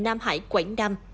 nam hải quảng nam